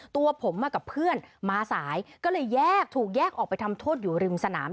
ตัวผมมากับเพื่อนมาสายก็เลยแยกถูกแยกออกไปทำโทษอยู่ริมสนาม